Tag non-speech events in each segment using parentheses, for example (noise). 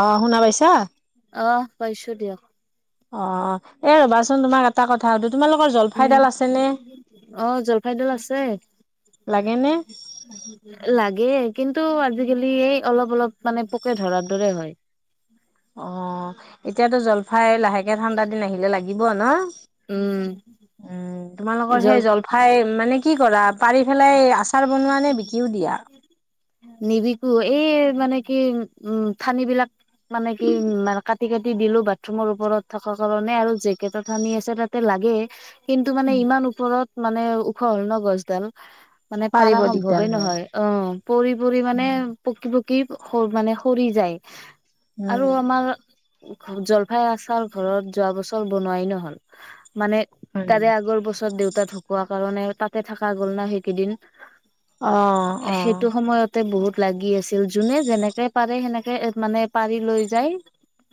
অঁ শুনা পাইছা অহ পাইছো দিয়ক অঁ এ ৰবাচোন তোমাক এটা কথা সোধো উম অঁ জলফাইদাল আছে। লাগেনে লাগে কিন্তু আজিকালি এই অলপ অলপ মানে পোকে ধৰাৰ দৰে হয়। অ এটো এতিয়াতো জলফাই লাহেকে ঠাণ্ডা দিন আহিলে লাগে। দিব ন? উম উম তোমালোকৰ জল সেই জলফাই মানে কি কৰা পাৰি পেলাই আচাৰ বনোৱা নে বিকিও দিয়া নিবিকো এই মানে কি উম ঠানিবিলাক মানে কি কাটি কাটি দিলো বাথৰুমৰ ওপৰত থকা কাৰণে আৰু জেকেটা ঠানি আছে তাতে লাগে কিন্তু মানে ইমান ওপৰত মানে ওখ হ'ল নগছডাল্ মানে পাৰা পাৰিব দিগদাৰ সম্ভৱেই হয় নহয়, অ পৰি পৰি উম মানেক কি মানে সৰি যায় আৰু আমাৰ জলফাই আচাৰ ঘৰত যোৱা বছৰ বনোৱাই নহ'ল। মানে হয়। তাৰে আগৰ বছৰত দেউত দেউতা ঢুকোৱা কাৰণে তাতে থাকা গ'ল ন সেইকেইদিন। আহঁ অঁ। সেইটো সময়তে বহুত লাগি আছিল যোনে যেনেকে পাৰে সেনেকে মানে পাৰি লৈ যায়।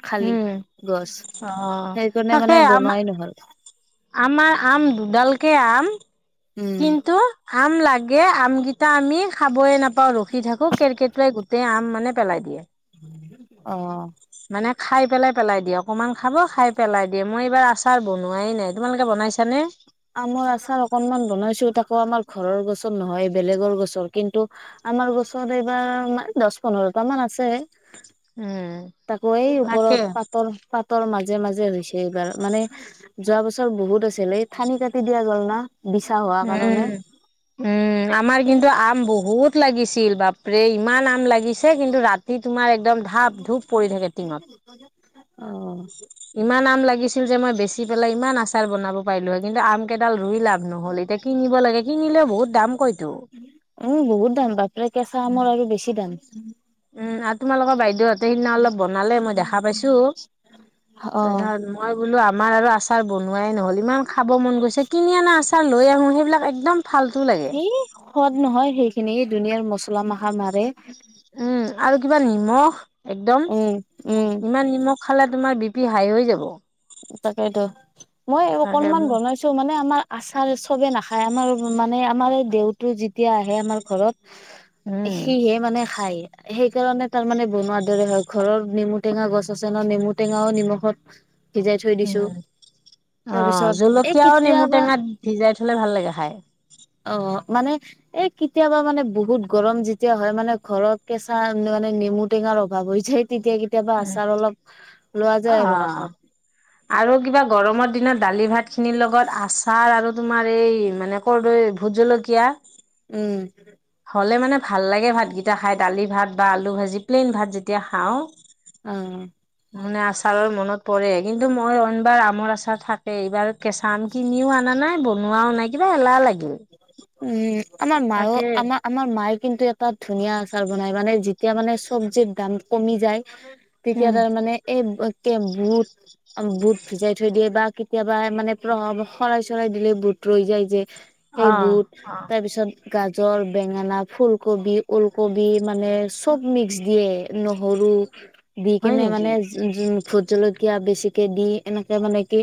খালি উম গছ। অ সেইকাৰণে তাকে মানে আম বনোৱাই নহ'ল। আমাৰ আম দুডালকে আম। উম কিন্তু আম লাগে আমকেইটা আমি খাবই নাপাওঁ ৰখি থাকোঁ, কেৰকেটোৱাই গোটেই আম মানে পেলাই দিয়ে। অ মানে খাই পেলাই পেলাই দিয়ে অকণমান খাব খাই পেলাই দিয়ে, মই এইবাৰ আচাৰ বনোৱাই নাই তোমালোকে বনাইছানে? আমৰ আচাৰ অকনমান বনাইছো, তাকৌ আমাৰ ঘৰৰ গছৰ নহয়। বেলেগৰ গছৰ কিন্তু আমাৰ গছত এইবাৰ মান দচ পোন্ধৰটা মান আছে। উম তাকো এই তাকে ওপৰত পাতৰ পাতৰ মাজ মাজে মাজে হৈছে এইবাৰ মানে যোৱা বছৰ বহুত আছিলে এই থানি কাটি দিয়া গ'ল না। বিছা হোৱা উম কাৰণে উম আমাৰ কিন্তু আম বহুত লাগিছিল। বাপৰে ইমান আম লাগি দিছে কিন্তু ৰাতি তোমাৰ একদম ধাপ ধূপ পৰি থাকে টিঙত। অ ইমান আম লাগিছিল যে মই বেছি পেলাই ইমান আচাৰ বনাব পাৰিলো হয়ে কিন্তু আম কেইডাল ৰুই লাভ নহল এতিয়া কিনিব লাগে, কিনিলেও বহুত দাম কতো উম বহুত উম উম আৰু তোমালোকৰ বাইদেউহতে সিদিনা অলপ বনালে, মই দেখা পাইছো, অ তাৰপিছত মই বোলো আমাৰ আৰু আচাৰ বনোৱাই নহ'ল ইমান খাব মন গৈছে, কিনি আনা আচাৰ লৈ আহোঁ সেইবিলাক একদম ফাল্টু লাগে এ সদ নহয়। সেইখিনি ধুনীয়াৰ মচলা মাখা মাৰে উম আৰু কিবা নিমখ একদম উম উম ইমান নিমখ খালে তোমাৰ বি পি হই হৈ যাব- তাকেইতো মই তাকে অকনমান মোৰ বনাইছো মানে আমাৰ আচাৰ চবে নাখায়। খাই আমাৰ মানে আমাৰ এই দেউতু যেতিয়া আহে আমাৰ ঘৰত উম সিহে মানে খায়। সেইকাৰণে তাৰ মানে বনোৱাৰ দৰে হয়। ঘৰৰ নেমু টেঙা গছ আছে ন? নেমু টেঙাও নিমখত ভিজাই থৈ উম দিছো অ, তাৰপিছত এই জলকীয়াও নেমু কেতিয়াবা টেঙাত ভিজাই থলে ভাল লাগে খাই। অ মানে এ কেতিয়াবা মানে বহুত গৰম যেতিয়া হয় মানে ঘৰত কেঁচা মানে নেমু টেঙাৰ অভাৱ হৈ যায়। তেতিয়া কেতিয়াবা উম আচাৰ অলপ লোৱা যায় অ, আৰু কাষত আৰু কিবা গৰমৰ দিনত দালি ভাত খিনিৰ লগত আচাৰ আৰু তোমাৰ এই মানে কৰৰ্দৈ, ভোট জলকীয়া উম। হলে মানে ভাল লাগে ভাতগিটা খাই। দালি ভাত বা আলু ভাজি প্লেইন ভাত যেতিয়া খাওঁ। অ মানে আচাৰৰ মনত পৰে কিন্তু মই ওইনবাৰ আমৰ আচাৰ থাকে এইবাৰ কেঁচা আম কিনিও অনা নাই বনোৱাও নাই কিবা এলাহ লাগিল। উম। আমাৰ মাও তাকে আমাৰ আমাৰ মাইক কিন্তু এ তাত ধুনীয়া আচাৰ বনাই মানে যেতি যেতিয়া মানে চবজিৰ দাম কমি যায়। তেতিয়া উম তাৰমানে এই বুত বুত ভিজাই থৈ দিয়ে বা কেতিয়াবা মানে প্ৰভাৱ শৰাই চৰাই দিলে বোত ৰৈ যায় যে সেই অ বুত অ তাৰপিছত গাজৰ, বেঙেনা, ফুলকবি, ওলকবি মানে চব মিক্স দিয়ে নহৰু দি হয় কিনে নেকি মানে জ ভুত জলকীয়া (unintelligible) বেছিকে দি এনেকে মানে কি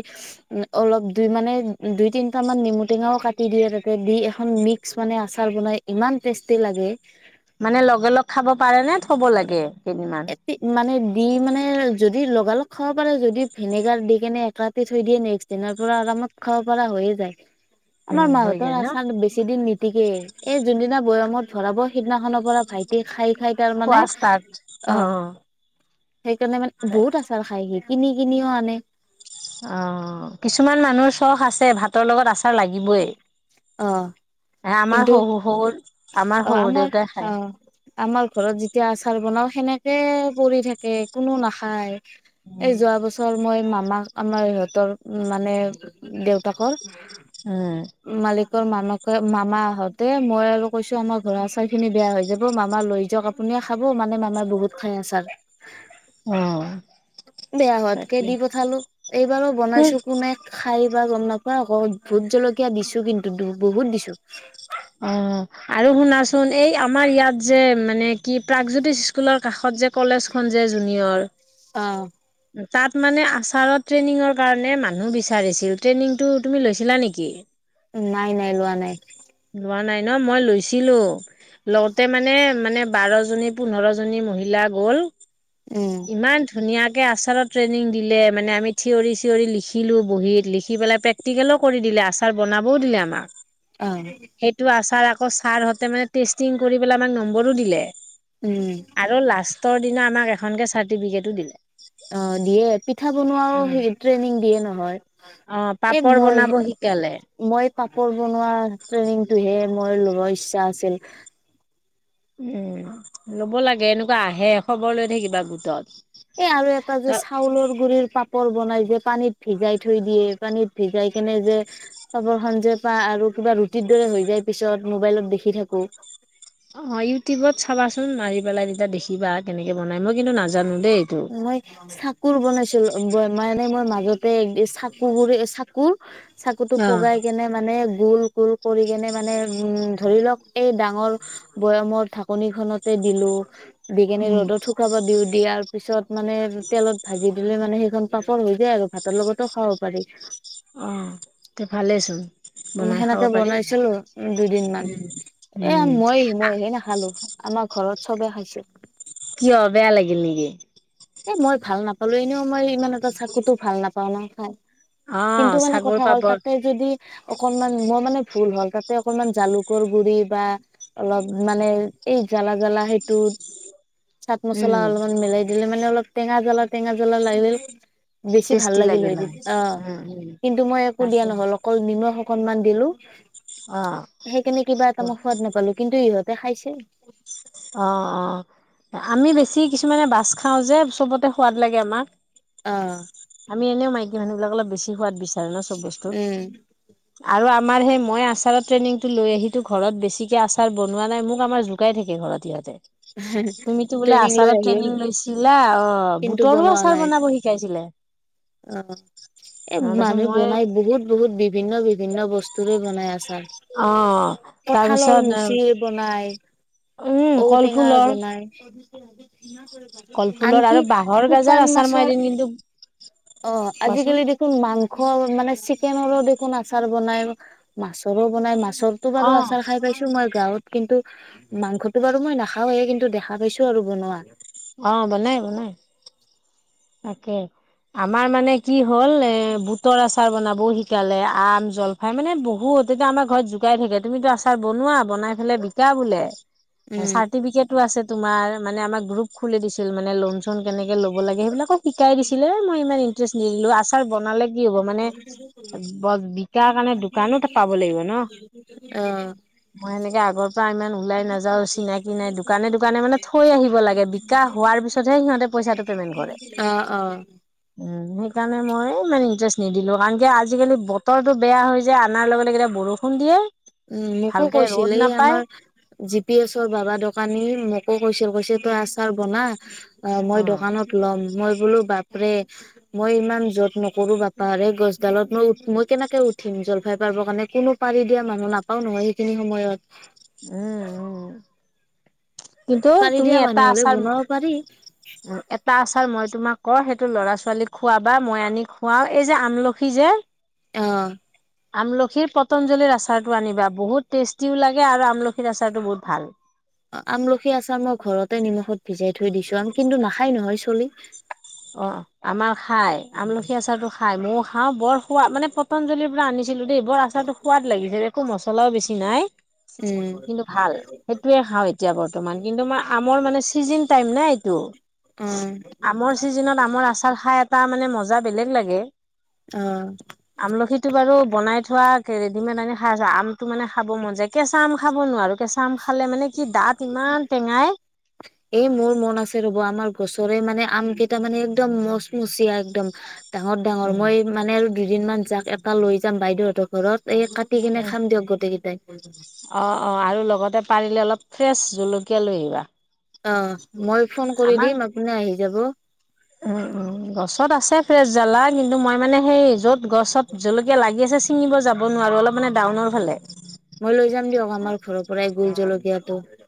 অলপ দুই মানে দুই তিনটামান নেমু টেঙাও কাটি দিয়ে তাতে দি এখন মিক্স মানে আচাৰ বনাই। ইমান টেষ্টি লাগে। মানে লগে লগ খাব পাৰে নে থব লাগে কেইদিনমান? এ মানে দি মানে যদি লগালগ খাব পাৰে যদি ভিনেগাৰ দি কেনে এক ৰাতি থৈ দিয়ে নেক্সট দিনৰ পুৰা আৰামত খাব পৰা হৈয়ে যায়। আমাৰ উম হৈ মাহতৰ যায় ন আচাৰ বেছি দিন নি গতিকে এই যোনদিনা বৈয়ামত ভৰাব সিদিনাখনৰ পৰা ভাইটিয়ে খাই খাই তাৰ মানে খোৱা ষ্টাৰ্ট অ। সেইকাৰণে মানে বহুত আচাৰ খাই হি। কিনি কিনিও আনে। অ কিছুমান মানুহৰ চখ আছে ভাতৰ লগত আচাৰ লাগিবই। অ আমাৰ কিন্তু শহু শহুৰ অ শহুৰ আমাৰ দেউতাই অ খায় আমাৰ ঘৰত যেতিয়া আচাৰ বনাও। সেনেকে পৰি থাকে কোনো নাখায়। এই উম যোৱা বছৰ মই মামাক। আমাৰ সহঁতৰ মানে দেউতাকৰ। উম। মানাকে মামা আহঁতে মই আৰু কৈছো আমাৰ ঘৰৰ আচাৰ খিনি বেয়া হৈ যাব মামা লৈ যাওক আপুনিয়ে খাব মানে মামাই বহুত খাই আচাৰ। অ', বেয়া হৱাতকৈ তাকে দি পঠালো এইবাৰো তোৰ বনাইছো কোনে খাই বা গম নাপাও। অ আক ভোট জলকীয়া দিছো কিন্তু। বহুত দিছো। অ আৰু শুনাচোন এই আমাৰ ইয়াত। যে মানে কি। প্ৰাগজ্যোতিষ স্কুলৰ কাষত যে কলেজখন যে জুনিয়ৰ। অ। তাত মানে আচাৰত ট্ৰেইনিঙৰ কাৰণে মানুহ বিচাৰিছিল ট্ৰেইনিংতটো তুমি লৈছিলা নেকি! নাই নাই লোৱা নাই। ন ন মই লৈছিলো লগতে মানে মানে বাৰ জনী পোন্ধৰ জনী মহিলা গ'ল। উম ইমান ধুনীয়া। তাকে আচাৰত ট্ৰেইনিং দিলে মানে আমি থিয়ৰি চিঞৰি লিখিলো বহীত লিখি পেলাই প্ৰেক্টিকেলো কৰি দিলে আচাৰ বনাবও দিলে আমাক। অ। ছাৰ আকৌ ছাৰহঁতে মানে টেষ্টিং কৰি পেলাই আমাৰ নম্বৰো দিলে। উম আৰু লাষ্ট। উওৰ দিনা আমাক এখন কে। চাৰ্টিফিকেতটো দিলে। অ দিয়ে পিঠা বনোৱাও ট্ৰেইনিং দিয়ে নহয়। অ পাপৰ এই মই বনাব শিকালে। মই পাপৰ বনোৱা ট্ৰেইনিংটোহে। মই ল'ব ইচ্ছা আছিল। উম লব লাগে এনেকুৱা আহে খবৰ লৈ থাকিবা গোটত। এ আৰু এটা ত যে চাউলৰ গুৰিৰ পাপ। কল বনাই যে পানীত ভিজাই থৈ দিয়ে পানীত ভিজাই কেনে যে খাপৰ খ যে প আৰু কিবা ৰুটিৰ দৰে হৈ যায় পিছত মোবাইলত দেখি থাকো। অ ইউটিউবত চাবাচোন মাৰি। পেলাই তেতিয়া দেখিবা কেনেকে বনাই মই কিন্তু নাজানো। দেই এইটো। মই চাকুৰ বনাইছিলো। মে মোৰ মাজতে চাকো বোৰে চাকোৰ। চাকুতটো অ পগাই কেনে মানে। গোল গোল কৰি কেনে মানে উম ধৰি লওক এই ডাঙৰ বয়ামৰ ঢাকনিখনতে দিলো। বিকি উম ৰ'দত শুকাব দিওঁ দি আৰু। পিছত মানে তেলত ভাজি দিলে মানে সেইখন পাপৰ হৈ যায় আৰু ভাঁতৰ লগতো খাব পাৰি অঁ তে ভালেই হৈছে সেনেকে বনাইছিলো উ দুইদিনমান উম এ উম মই মই হে নাখালো আমাৰ ঘৰত চবে খাইছি (inaudible) কিয় বেয়া লাগিল নেকি এ মই ভাল নাপালো এনেও মই ইমান এটা চাকুতো ভাল নাপাওঁ ন খাই অ কিন্ত মানে ছাগৰ কথা হ'ল পাপৰ তাতে যদি অকনমান মই মানে ভুল হ'ল তাতে অকনমান জালুকৰ গুৰি বা অলপ মানে এই জ্বালা জ্বালা সেইটো চাট মছলা উম অলপমান মিলাই দিলে মানে অলপ টেঙা জ্বলা টেঙা জ্বলা লাগিল (inaudible) বেছি ভাল টেষ্টি লাগিল এদিন হয় অঁ উম উম কিন্তু মই একো দিয়া তাকে নহল অকল নিমখ অকনমান দিলো অ সেইকাৰণে কিবা এটা অ মই সোৱাদ নাপালো কিন্তু ত ইহঁতে খাইছে অঁ অঁ আমি বেছি কিছুমানে বাছ খাওঁ যে চবতে সোৱাদ লাগে আমাক অঁ (inaudible) আম এনে মাইকি মানুহবিলাক বেছি সোৱাদ বেছি। ধাৰণৰ চব বস্তু উম আৰু আমাৰ সেই মই আচাৰৰ ট্ৰেইনিংটো লৈ আহিছো ঘৰত বেছিকে আচাৰ বনোৱা নাই মোক আমাৰ জোকাই থাকে ঘৰত তেতিয়াতে ট্ৰেইনিং লৈ আহিল লৈছিলা অ কিন্তু বুটৰো বনোৱা আচাৰ নাই বনাব শিকাইছিলে অ অঁ এ তাৰপিছত মানুহ মই বনাই বহুত বহুত বিভিন্ন বিভিন্ন বস্তুৰে বনাই আছাৰ অঁ তাৰপিছত হয় উম ঙাৰ কলফুলৰ বনাই বি কলফুলৰ আনকি আৰু বাঁহৰ গাজাৰ শুকান আচাৰ মই মাছৰ এদিন কিন্তু অঁ কোৱাচোন আজিকালি দেখোন মাংস মানে চিকেনৰো দেখোন আচাৰ বনাই মাছৰো বনাই মাছ তো বাৰু অ আচাৰ খাই পাইছো মই গাঁৱত কিন্তু মাংসটো বাৰু মই নাখাওঁ হা এই কিন্তু দেখা পাইছো আৰু বনোৱা অঁ বনাই বনাই। তাকে আমাৰ মানে কি হ'ল এ বুতৰ আছে'। আচাৰ বনাবওঁ শিকালে, আম, জলফাই মানে বহুতো আমাৰ ঘৰত জোকাই থাকে তুমিতো আচাৰ বনোৱা বনাই পেলাই বিকা বোলে। উম চাৰ্টিফিকেতো আছে তোমাৰ মানে আমাক গ্ৰুপ খুলি দিছিল মানে লোন চন কেনেকে ল'ব লাগে সেইবিলাক শিকাই দিছিলে মই ইমানেই নিলো আচাৰ বনালে কি হব মানে ব বিকাৰ কাৰণে দোকানত পাব লাগিব ন অ মই এনেকে আগৰ পৰা ইমান ওলাই নাযাও চিনাকি নাই দোকানে দোকানে মানে থৈ আহিব লাগে বিকা হোৱাৰ পিছতহে সিহঁতে পইচাটো পেমেন্ট কৰে উম, অ অ সেইকাৰণে মই মানে। ইন্টাৰেষ্ট নিদিলো কাৰণ কে আজিকালি বতৰতো বেয়া হৈ যায় অনাৰ লগে লগে এতিয়া বৰষুণ দিয়ে। উ মোকো ভালকে কৈছিল ৰ'দ এই নাপায় আমাৰ জি পি এছৰ বাবা ডক- কানি মোকো কৈছিল কৈছিল তই আচাৰ বনা'। অ, মই দোকানত ল'ম মই। বোলো বাপৰে মই ইমান জত নকৰো বাপাৰে গছডালত মই উ মই কেনেকে উঠিম জলফাই পাৰ কাৰণে কোনো পাৰি দিয়া মানুহ নাপাও নহয় সেইখিনি সময়ত উম, উম। কিন্তু পাৰি তুমি দিয়া এটা মানুহ হলে আচাৰ বনাব পাৰি ম এটা আচাৰ মই তোমাক ক সেইটো ল'ৰা ছোৱালীক খোৱাবা মই আনি খুৱাও এই যে আমলখি যে অ,। আমলখিৰ পতঞ্জলিৰ আচাৰটো আনিবা বহুত টেষ্টিও লাগে আৰু আমলখিৰ আচাৰটো বহুত ভাল,। আমলখি আচাৰ মই ঘৰতে নিমখত ভিজাই থৈ দিছো আম কিন্তু নাখাই নহয় চলি,। অ আমাৰ খাই আমলখি আচাৰ টো খা- খাই মই খাওঁ বৰ সোৱদ মানে পটঞ্জলিৰ পৰা আনিছো। আছিলো দেই বৰ আচাৰটো সোৱাদ লাগিছিল'। একো মছলাও বেছি নাই উম কিন্তু ভাল সেইটোয়ে খাওঁ এতিয়া বৰ্তমান কিন্তু মই আমৰ মানে চিজেন টাইম নাই ত উম দিনত আমৰ আচাৰ খাই এটা মানে মজা বেলেগ লাগে'। অ আমলখিটো বাৰু বনাই থোৱা ৰেডিমেড আনি খাই আছ আম মানে খাব মন যায় কেঁচা আম খাব নোৱাৰো কেঁচা আম'। খালে মানে কি দাঁত ইমান টেঙাই এ মোৰ মন আছে ৰ'ব আমাৰ গছৰে মানে আম কেইটা মানে একদম মচমচিয়া একদম ডাঙৰ ডাঙৰ উম মই মানে দুদিনমান যাক এপাৰ লৈ যাম বাইদেউহঁতৰ ঘৰত'। এই কাটি কিনে খাম দিয়ক গোটেই কেইটাই'। (inaudible) অ অ আৰু লগতে পাৰিলে অলপ ফ্ৰেছ জলকীয়া লৈ আহিবা অ মই ফোন কৰি আমাৰ দিম আপুনি আহি যাব। উম উম গছত আছে ফ্ৰেছ জ্বালা কিন্তু মই মানে সেই য'ত গছত জলকীয়া লাগি আছে ছিঙিব যাব নোৱাৰো অলপ মানে ডাউনৰ ফালে,। মই লৈ যাম দিয়ক আমাৰ ঘৰৰ পৰাই গল জলকীয়াাতটো'।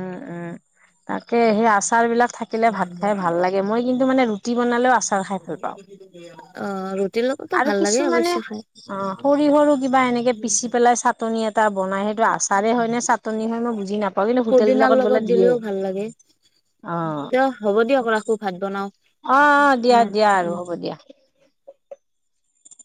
উম উম তাকে সেই আচাৰ বিলাক থাকিলে ভাত খাই ভাল লাগে মই কিন্তু মানে ৰুটি বনালেও আচাৰ খাই ভাল পাওঁ অ ৰুটিৰ লগতো আৰু ভাল কিছু লাগে মানে অৱশ্যে খাই অ সৰিসৰো কিবা এনেকে পিচি পেলাই চাটনি এটা বনাই সেইটো আচাৰে হয় নে চাটনি হয় নে মই যি নাপওঁ পুদিনাৰ লগত দিলেও ভাল লাগে অ', তে হ'ব দিয়ক ৰাখো ভাত বনাও অ', অ দিয়া দিয়া উ, আৰু উ। হ'ব দিয়া।